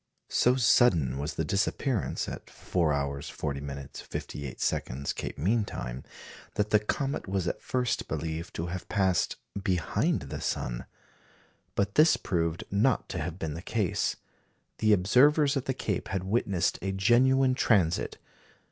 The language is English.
So sudden was the disappearance (at 4h. 50m. 58s., Cape mean time), that the comet was at first believed to have passed behind the sun. But this proved not to have been the case. The observers at the Cape had witnessed a genuine transit.